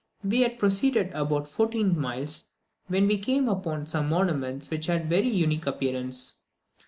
We had proceeded about fourteen miles, when we came upon some monuments which had a very unique appearance.